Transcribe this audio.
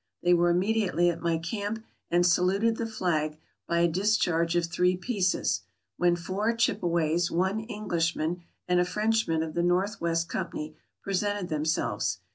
They were immediately at my camp, and saluted the flag by a discharge of three pieces, when four Chipeways, one Englishman, and a Frenchman of the North West Company presented themselves.